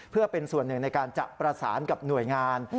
เพื่อเป็นส่วนหนึ่งในการจะประสานกับหน่วยงาน